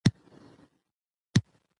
خاوره د افغان ماشومانو د لوبو موضوع ده.